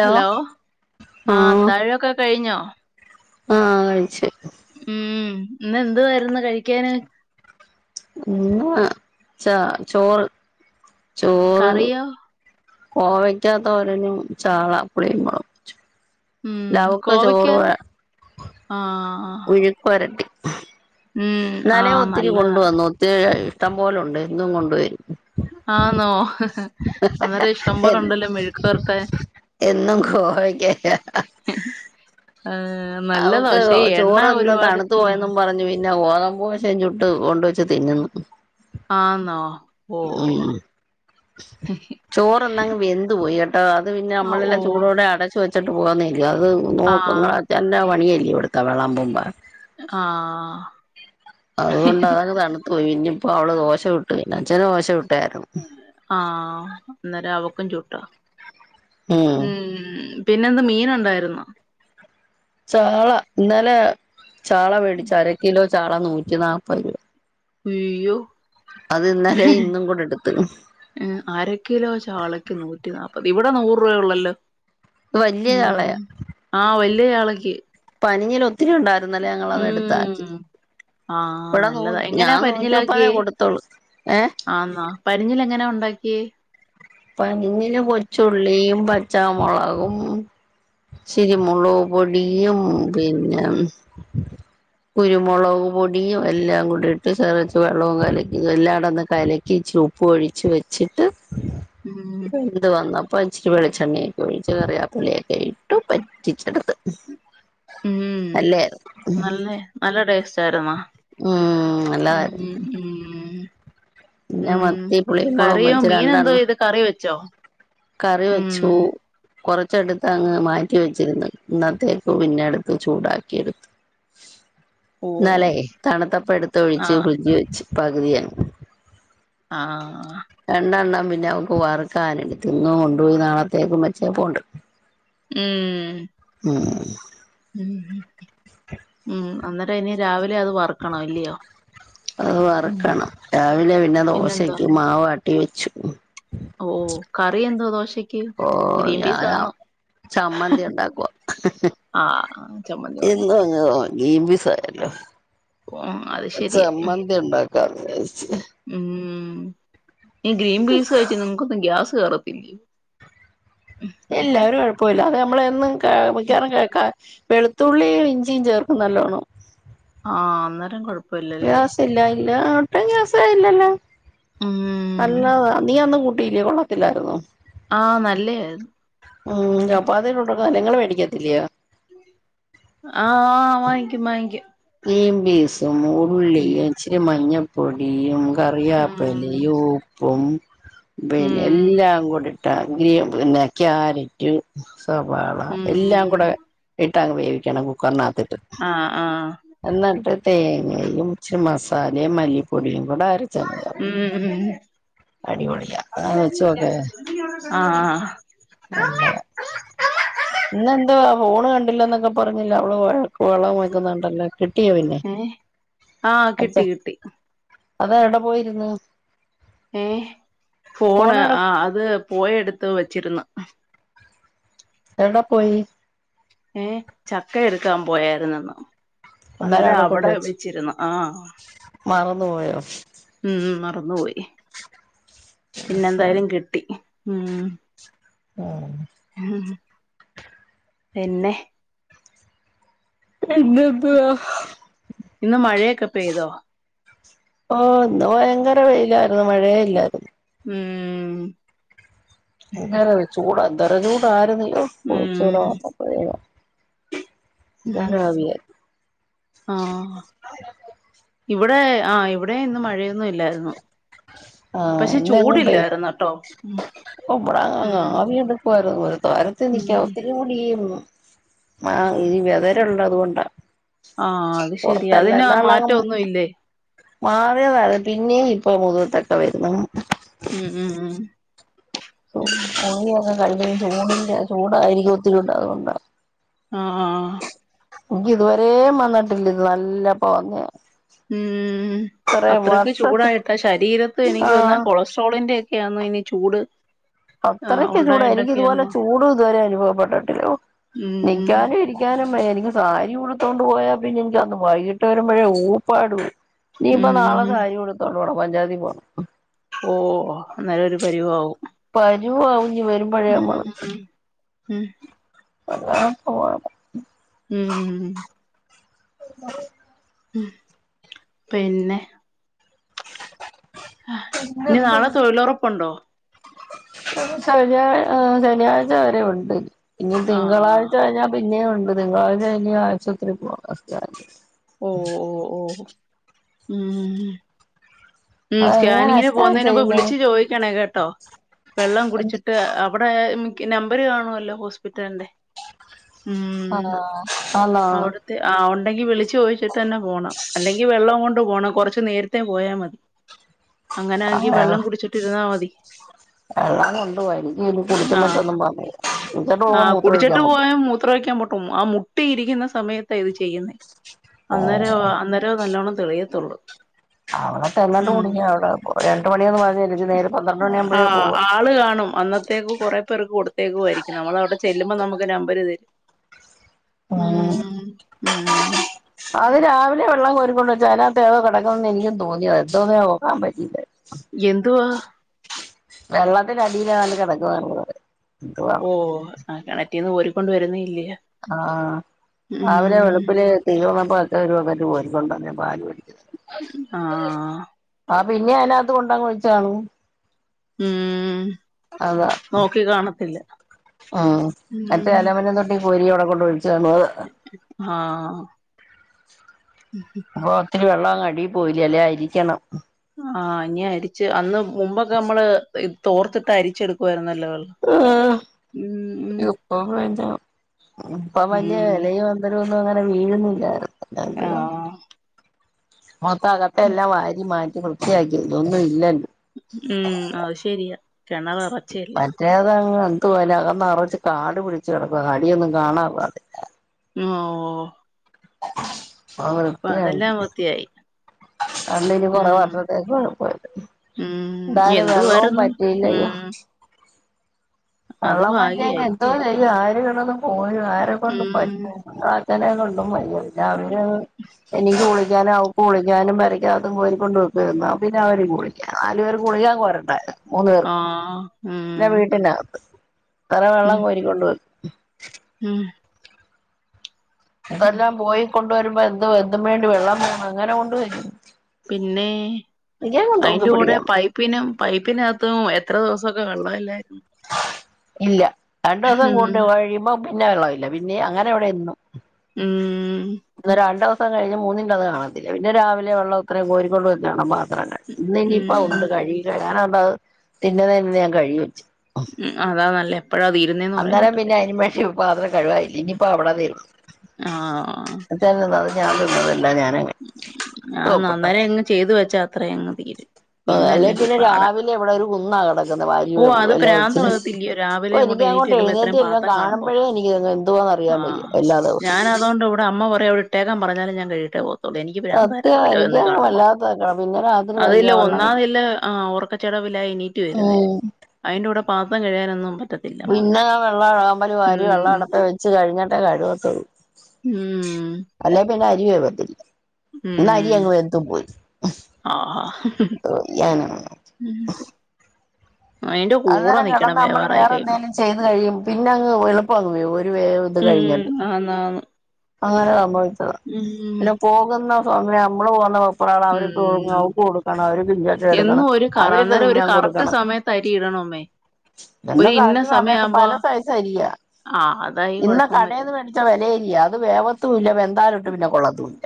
Hello ആ ആഹ് താഴൊക്കെ കഴിഞ്ഞോ ആഹ് കഴിച്ച് ഉം ഇന്ന് എന്തുവായിരുന്നു കഴിക്കാന് ഇന്ന് പ ച ചോറ് ചോറ് കറിയോ? കോവയ്ക്കാ തോരനും ചാളപ്പളി മുളച്ചും ഉം കോവക്ക് ആ ഉഴുക്ക് വരട്ടി നലെ ആഹ് ഒത്തിരി നല്ലതാ കൊണ്ടുവന്നു ഒത്തിരിയി ഇഷ്ടം പോലുണ്ട് ഇന്നും കൊണ്ടുവരും ആഹ് നോ അന്നേരം ഇഷ്ടം പോലുണ്ടല്ലോ മെഴുക്ക് പേരട്ടാൻ എന്നും കോവയ്ക്കയാ അവക്ക് ചോറ് ഇന്ന് തണുത്ത ഉം പോയെന്നും പറഞ്ഞു പിന്നെ ഓതമ്പൂശം ചുട്ട് കൊണ്ടുവച്ച് തിന്നുന്നു ആന്നോ ഉം ഓഹ് ചോറൊന്നങ്ങ് വെന്ത് പോയി അത് പിന്നെ ആഹ് നമ്മളെല്ലാം ഓഹ് ചൂടോടെ അടച്ചു വച് ച്ചിട്ട് പോന്നേ ഇല്ല അത് നോ നിങ്ങളാ ആഹ് തന്നെ പണിയായി ഇവിടുത്ത വളമ്പുമ്പ ആഹ് അതുകൊണ്ടാതങ്ങ് തണു ഇനിയിപ്പോൾ അവള് ദോശ ചുട്ടു തിന്ന അച്ഛന് ദോശ ചുട് ആഹ് അന്നേരം അവ ക്കഞ്ചോട്ട ഉം പിന്നെന്ത് മീൻ ഉണ്ടായിരുന്നോ ചാള ഇന്നലെ ചാള മേടിച്ചു അര കിലോ ചാള നൂറ്റി നാല്പത് രൂപ ഉയ്യോ അത് ഇന്നലെ ഇന്നും കൂടെ എടുത്ത് അരക്കിലോ ചാളക്ക് നൂറ്റി നാൽപത് ഇവിടെ നൂറ് രൂപയ ഉള്ളല്ലോ വലിയ ഉം ചാളയാ ആഹ് വലി ഈ യാളക്ക് പനിയിലൊ മ് ആഹ് ഇവിടെ നൂ നല്ലതാ ഞാൻ എങ്ങനെയാ നൂറ്റി മുപ്പതേ പരിഞ്ഞിലാക്കിയേ കൊടുത്തോളൂ ഏഹ് ആന്നാ പരിഞ്ഞിൽ എങ്ങനാ ഒണ്ടാക്കിയേ പരിഞ്ഞില് കൊച്ചുള്ളിയും പച്ചാമൊളകും ഇച്ചിരി മൊളക് പൊടിയും പിന്നെ കുരുമൊളക് പൊടിയും എല്ലാം കൂടെ ഇട്ട് ചതച്ചു വെള്ളവും കലക്കി എല്ലാടൊന്ന് കലക്കി ഇച്ചി ഉപ്പ് ഒഴിച്ചു വെച്ചിട്ട് ഉം എന്ത് വന്ന അപ്പ ഇച്ചിരി വെളിച്ചെണ്ണയെക്കെ ഒഴിച്ച് കറിയാപ്പിലയൊക്കെ ഇട്ടു പറ്റിച്ചെടുത്ത് മ് നല്ലായിരുന്നു നല്ലേ നല്ല ടേസ്റ്റാരുന്നു മ് നല്ലതാരുന്നു ഉം പിന്ന ഉം മത്തി പുളിയും മൊളകും കറിയോ വെച്ച് മീൻ എന്തോ രണ്ടെണ്ണം ചെയ്ത് കറി വെച്ചോ കറി ഉം വെച്ചു കൊറച്ചെടുത്ത് അങ്ങ് മാറ്റി വെച്ചിരുന്നു ഇന്നത്തേക്ക് പിന്നെ എടുത്ത് ചൂടാക്കി എടുത്തു ഓഹ് ഇന്നാലേ തണുത്തപ്പ എടുത്ത് ഒഴിച്ച് ആഹ് ഫ്രിഡ്ജി വെച്ച് പകുതിയാ ആഹ് ആ പിന്നെ അവക്ക് വറുക്കാനെടുത്ത് ഇന്ന് കൊണ്ട് പോയി നാളത്തേക്കും വച്ചേപോണ്ട് മ് മ് മ് മ് അന്നേരം ഇനി രാവി അത് ഉം വറക്കണം രാവിലെ പിന്നെ പിന്നെന്താ ദോശക്ക് മാവ ട്ടി വെച്ചു ഓ കറി എന്തോ ദോശ ഓ ഞാ ചമ്മന്തി ഒണ്ടാക്കുവാ ആ ചമ്മന്തി മതി [unintelligible] ഗ്രീൻപീസ് ആയല്ലോ ഓ അത് ശെരിയ മ് [unintelligible] ചീ മ് ഈ ഗ്രീൻപീസ് കഴിച്ചാ നിങ്ങക്കൊന്നും ഗ്യാസ് കേറ ഇല്ല ഒരു കൊഴപ്പോം ഇല്ല അത് ന മ്മളെന്നും [unintelligible] മിക്കവാറും കേൾക്കാൻ വെളുത്തുള്ളിയും ഇഞ്ചിയും ചേർക്കും നല്ലോണം ആഹ് അന്നേരം കൊഴ ഗ്യാസ് ഇല്ല ഇല്ല ആ ക സായില്ലല്ലോ ഉം അല്ല നീയന്ന് ല്യ കൊള്ളത്തില്ലാരുന്നു ആ നല്ലയായിരുന്നു ഉം അപ്പ അതോ ആ നിങ്ങള് മേടിക്കത്തില്യയോ ആ വാങ്ങിക്കും വാങ്ങിക്കും [unintelligible] ഉള്ളി ഉം ഇച്ചിരി മഞ്ഞ പൊടിയും ഉം കറിയാപ്പലയൂ പോം പിനെ ഉം എല്ലാങ്കുടി [unintelligible] പിന്നെ ക്യാരററ്റ് സവാള ഉം എല്ലാങ്ങൂടെ ഇ [unintelligible] ക്കണം കുക്കറിനത്തിട്ട് ആ ആ [unintelligible] തേങ്ങയും ഇച്ചിരി മസാലയും മല്ലിപ്പൊടിയും കൂടെ അരച്ചങ്ങ് ചേർക്കും ഉം അടിപൊളിയാ അത് വെച്ച് നോക്ക് ഉം നല്ലതാ ആ ഇന്നെന്തുവാ ഫോണ് കണ്ടില്ലന്നൊക്കെ പ റഞ്ഞില്ല അവള് വ വളം വെക്കുന്നണ്ടല്ലോ കിട്ടിയ പിന്നെ ഏ ആ അച്ച കിട്ടി കിട്ടി അത് എവിടെ പോയിര്ന്നു ഏ ഫോണ് ആ അത് പോയെടുത്ത് വ ച്ചിര്ന്ന് എടെ പോയി ഏ ചക്ക എടുക്കാൻ പോയായിര്‌നെന്നോ അന്നേരം അവിടെ വെച്ചിരുന്നു ആ മറന്നുപോയോ ഉം മറന്നുപോയി പിന്നെ എന്തായാലും കിട്ടി ഉം ആ പിന്നെ പിന്നെന്തുവാ ഇന്ന് മഴയൊക്കെ പെയ്തോ ഓ ഇന്ന് ഭയങ്കര വെയിലാരുന്നു മഴ ഇല്ലാരുന്നു ഉം [unintelligible] ചൂടാ തറ ചൂടാരുന്നു ഉം [unintelligible] [unintelligible] ആ ഇവിടെ ആ ഇവിടെ ഇന്ന് മഴയൊന്നും ഇല്ലാരുന്നു ആ കേട്ടോ ഉം ഉം [unintelligible] ഒരു തരത്തിലും നിക്കാൻ ഉം ഒത്തില്ലാടീ ആ ഇനി [unintelligible] ള്ളതുകൊണ്ടാ ആ അത് ശെരിയാ പുറത്തല്ല അതിന് മാറ്റം എന്നാളങ്ങ് ഒന്നും ഇല്ലേ മാറിയതാ അത് പിന്നേം പ്പോ മുതുകത്തൊക്കെ വരുന്നു ഉം ഉം ഉം പണിയൊക്കെ കഴിഞ്ഞു ഇനി ചൂടിന്റെയാ ചൂടായിരിക്കും ഒത്തിരി ഉണ്ട അതുകൊണ്ടാ ആ ആ എനിക്കിതുവരേം വന്നിട്ടില്ല ഇത് നല്ലപ്പവന്നെയാ ഊം അത്രയ്ക്ക് വർഷത്തെ ചൂടായിട്ടാ ശരീരത്ത് എനിക്ക് തോന്ന ആഹ് കൊളസ്ട്രോളിന്റെ ഒക്കെയന്നാ ഇനി ചൂട് ആഹ് അത്രയ്ക്ക് ചൂടാ എനിക്കിതുപോലെ ഉണ്ടായിണ്ടൊക്കെയാന്നോ ചൂട് ഇതുവരെ അനുഭവപ്പെട്ടിട്ടില്ലാ ഓ ഉം നിക്കാനും ഇരിക്കാനും വയ്യ ഇന്ന് സാരി ഉടുത്തോണ്ട് പോയാ പിന്നെ എനിക്ക് അന്ന് വൈകീട്ട് വരുമ്പഴേ ഊപ്പാടു ഇനീപ്പം നാളെ ഉം സാരി ഉടുത്തോണ്ട് പോണം. പഞ്ചാതി പോണം ഓ നല്ലൊരു പരിവാകും. പരുവാവും ഇനി വരുമ്പഴേമ്മള് ഉം ഉം അതവാ പോവാം ഊം [inaudible] ഉം പിന്നെ ഇനി നാളെ തൊഴിലൊറപ്പുണ്ടോ ശനിയാഴ് ആ ശനിയാഴ്ച വരെ ഉണ്ടിനി ഇനി ആഹ് തിങ്കളാഴ്ച കഴിഞ്ഞാൽ പിന്നേം ഉണ്ട് തിങ്കാളാഴ്ച ഇനി ആശുപത്രി പോണം [unintelligible] ഓ ഓ ഓ ഒ ഊം ഉം അതെങ്ങനാ സ്കാനിങ്ങിന് സ്കാൻ പോകുന്നേനുമുൻപ് ചെയ്യുന്നേ വിളിച്ചു ചോദിക്കണെ കെ ട്ടോ വെള്ളം കുടിച്ചിട്ട് അവിടെ നമ്പര് കാണുവല്ലോ ഹോസ്പിറ്റലിൻ്റെ ആഹ് ആണോ ണ്ടെങ്കി വിളിച്ചു ചോയിച്ചിട്ടന്നെ പോണം അല്ലെങ്കി വെള്ളം കൊണ്ട് പോണം കൊറച്ചു നേരത്തെ പോയാ മതി അങ്ങനെ ആ ആങ്കി വെള്ളം [unintelligible] കുടിച്ചിട്ടിരുന്നാ മതി വെള്ളം കൊണ്ട് പോ എനിക്ക് ആഹ് കുടിക്കുമ്പോന്നും പോകാവയ്യ കുടിച്ചിട്ട് പോകുമ്പോ മൂത്രം ഒഴിക്കാൻ മുട്ടും ഉം അ മുട്ടി ഇരിക്കുന്ന സമയത്ത ഇത് ചെയ്യുന്നേ അന്നേരോ- അന്നേരോ നല്ലോണം തെളിയത്തുള്ളൂ അ [unintelligible] തല്ലാണ്ട് ഉം കുടിങ്ങിയ അവിടെ രണ്ട് മണിന്ന് പറഞ്ഞിലെങ്കി നേരെ പന്ത്രണ്ട് മണിയാവുമ്പോഴേ ആഹ് പോവ തേകുവായിരിക്കും നമ്മള് അവിടെ ചെല്ലുമ്പോ നമുക്ക് നമ്പര് തരും ഉം ഉം അത് രാവിലെ വെള്ളം കോരിക്കൊണ്ടെച്ച് അതിനത്ത് ഏതോ കിടക്കുന്നന്ന് എനിക്ക് തോന്നിയതാ എന്തോന്ന നോക്കാൻ പറ്റീല്ല എന്തുവാ വെള്ളത്തിന്റെ അടിയിലാ ഏതാണ്ട് കിടക്കുവാ [unintelligible] ഓ ആ കെണ കോരികൊണ്ട് വരുന്നേ ഇല്ലേ ആഹ് രാവിലെ വെളുപ്പില് തീർന്നപ്പ അക്ക ഒരു ബക്കറ്റ് കോരികൊണ്ടന്നേന്ന് [unintelligible] ആഹ് ആ പിന്നെ അതിനത്ത് കൊണ്ടങ്ങ് വെച്ചാണും ഉം നോക്കി കാണത്തില്ല മ് മറ്റേ അലമനം തൊട്ടി കോരി അവിടെ കൊണ്ട് ഒഴിച്ച് കാണും അത് ഹാ മ്‌ഹ് ഇ വെള്ളം അങ്ങ് അടി പോവില്ലേ അല്ലേ അരിക്കണം ആഹ് ഇനി അരിച്ച് അന്ന് മുമ്പൊക്കെ നമ്മള് ഇത് തോർത്തിട്ടരിച്ചെടുക്കാർന്ന് ആ ഇപ്പ വേൻ്റാ ഇപ്പൊ വലിയ ഉം വിലയും അങ്ങ ന്നും അങ്ങനെ വീഴുന്നില്ലാരുന്നു ആഹ് മൊത്തം അകത്തെല്ലാം വാരി മാറ്റ് വൃത്തിയാക്കി ഇതൊന്നും ഇല്ല ഉം അതു ശരിയാ. കെണറ് ഒറച്ചയല്ലേ? ആഹ് എന്തു പോലെ അകം നറച്ച് കാട് പിടിച്ച് കെടക്കുവാ, അടിയൊന്നും കാണാ പാടില്ല. ഉം ഓ ഓ വൃത്തിയായി വൃത്തിയായി അതുകൊണ്ട് കൊറെ ഉം വർഷത്തേക്ക് കൊഴപ്പമില്ല, ഉം എന്തായാലും വെള്ളവും എന്തുവായിരുന്നു പറ്റിയില്ലയോ. ഉം അത് വെള്ളം വറ്റിയാ ഇനി ഭാഗ്യായി എന്തോ ചെയ്യും ആര് കോരു ആരെ കൊണ്ട് ഉം പറ്റ് [unintelligible] [unintelligible] കൊണ്ടും വയ്യാ പിന്നെ അവര് എനിക്ക് കുളി ക്കാനും അവക്ക് കുളിക്കാനും പെരക്കകത്തും കോരി കൊണ്ടു വെയ്ക്കായിരുന്നു, [unintelligible] നാല് പേര്ക്ക് കുളിക്കാൻ കോരണ്ടായോ? മൂന്ന് പേർ ആഹ് ഉം ഞാൻ വീട്ടിലാ ഇത്ര വെള്ളം കോരി കൊണ്ട് വന്ന് [inaudible] [unintelligible] മ് ഇതെല്ലാം പോയിക്കൊണ്ട്. [unintelligible] വെള്ളം വേണം അങ്ങനെ കൊണ്ട് വരും പിന്നെ തൂക്കി അയിന്റെ കൂടെ പിടിക്കാൻ വയ്യ പൈപ്പിനും പൈപ്പിനകത്തും എ എത്ര ദിവസമൊക്കെ വെള്ളമില്ലായിരുന്നു. ഇല്ല. രണ്ട് ദിവസം ഉം [unintelligible] പിന്നെ വെള്ളമില്ല പിന്നെ അങ്ങനെ ഇവിടെ എന്നും. മ്.... [unintelligible] കഴിഞ് മൂന്നിന്റെ അത് കാണത്തില്ല. പിന്നെ രാവിലെ വെള്ളം ഇത്രയും കോരി കൊണ്ട് [unintelligible] ഇന്ന് ഇനിയിപ്പ ഉം ഒത്ത് കഴുകി [unintelligible] [unintelligible] ഞാൻ കഴുകി വച്ചു. ഉം അതാ നല്ല എപ്പഴാ തീരുന്നേന്ന് പറയാൻ അന്നേരം പിന്നെ പറ്റത്തില്ല [unintelligible] കഴുവാനില്ല ഇനി ഇപ്പ അവിടെ അതെയുള്ളു. ഞാൻ തിന്നത്. ആഹ അന്നേരം ഇങ്ങ് ചെയ്തു വെച്ചാ. അത്രയും [unintelligible] തീരും ആ അല്ലെ അല്ലെങ്കി പിന്നെ പാടാ രാവിലെ ഇവിടെ ഒരു കുന്നാ കിടക്കുന്നത് വാരി ഓ അത് എല്ലാ [unintelligible] പ്രാന്തളകത്തില്ലയോ രാവിലെ അപ്പ എനിക്ക് എണീറ്റ് അങ്ങോട്ട് വരുമ്പോ എഴുന്നേറ്റ് എത്രയും എല്ലാം പാത്രം കാണുമ്പോ കാണുമ്പോഴേ എനിക്ക് എന്തുവാന്ന് അറിയാൻ വയ്യ എല്ലാ ദിവസവും - അ എവിട്ടേക്കാൻ പറഞ്ഞല് ഞാൻ കഴിക്കിട്ടെ പോകു എനിക്ക് പ്രാന്ത സത്യം രാവിലെ എനിക്ക് വന്ന് കാണുമ്പോം വല്ലാത്ത പിന്നെ രാത്രി അതല്ല വയ്യ വെള്ളം ഒന്നാതില്ല ഉറക്ക [unintelligible] [unintelligible] എണിറ്റു വരുന്നേ ഉം ആയിന്റെ കൂടെ പാത്രം കഴികാനൊന്നും പ പിന്നെ ഞാൻ വെള്ളം [unintelligible] വാരി ഉം വെള്ളം ഇടത്ത് വെച്ച് കഴിഞ്ഞിട്ടേ കഴുവത്തുള്ളൂ ഉം അല്ലേ പിന്നെ അരിവേ വേ അരി ഉം അങ്ങ് വെന്ത് പോയി ആഹാ [unintelligible] അയിന്റെ കൂടെ അന്നേരം നിക്കണം കിടന്ന് നമ്മള് ബേവാറായി വേറെ കഴിയുമ്പോ എന്തെങ്കിലും ചെയ്ത് കഴിയും പിന്നെ അങ്ങ് എളുപ്പം അങ്ങ് വേവും ഒരു വേവ് ഒക്കെ ഉം കഴിഞ്ഞിട്ട് ആന്നാന്ന് അങ്ങനെ സംഭവി ച്ചത ഉം പിന്നെ പോകുന്ന പോവുമ്പോ നമ്മള് പോന്ന ഉം ഇപ്പോളവർക്ക് അവക്ക് കൊടുക്കണം അവര് [unintelligible] എന്നും എടുക്കണം ഒരു കറ അവരൊക്കെ അന്നേരം ഒരു തിഞ്ഞാൻ കറക്റ്റ് കൊടുക്കണം സമയത്ത് അരി ഇടണമ്മേ ഒരു എന്നും ഇന്ന കറക്റ്റ് സമയത്ത് സമയാവുമ്പോ പല സയിസ് അരിയാ ആഹ് അതായി ഇന്ന് കൊഴപ്പം കടേന്ന് പറ്റുന്നെ മേടിച്ച വെല അരിയാ വേവത്തുല്ല വെന്താലൊട്ട് പിന്നെ കൊളത്തുല്ല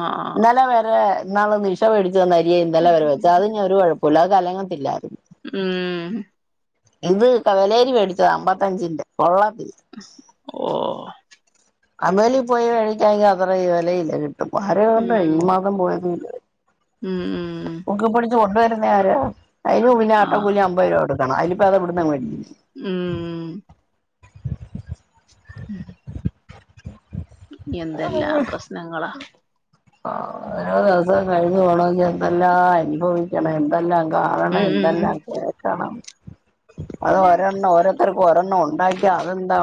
ആഹ് ഇന്നലെ വരേ ഇന്നാള് നിശ വേടി ചെന്ന അരിയ ഇന്നലെ വരെ വെച്ചെ അതിന് ഒരു കൊഴ പുലവ് കലങ്ങത്തില്ലാര്ന്നു ഉം ഇത് കവലേരിമേടിച്ചത അമ്പത്തഞ്ചിന്റെ കൊള്ള [inaudible] ഓ [unintelligible] പോയി വേടിക്കാണെങ്കി അത്രയ് വെലയില്ല ക് [unintelligible] കണ്ട് ഈ മാസം പോയതുല്ല ഉം ഉം കൊണ്ട് വരുന്നേ ആരാ അയിനും പിന്നെ ഓട്ടോ കൂലി ആഹ് അമ്പരൂപ കൊട് ക്കണം അയിന് ഇപ്പത് ഇവിടന്നാ മേടിക്കുന്ന ഉം ഉം എന്തെല്ലാം പ്രസ്നങ്ങളാ ആ ഓരോ ദിവസം കഴിഞ്ഞു പോണെങ്കി എന്തെല്ലാം അനുഭവിക്കണം ഇനി എതെല്ലാം കാണണം എന്തെല്ലാം കേക്കണം അത് ഒരെണ്ണം ഉം ഓരോരുത്തർക്കും ഒരെണ്ണം ഉണ്ടാക്കിയാ അതെന്താ